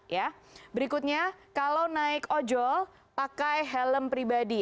ya berikutnya kalau naik ojol pakai helm pribadi